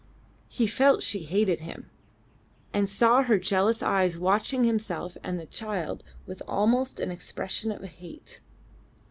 He felt she hated him, and saw her jealous eyes watching himself and the child with almost an expression of hate.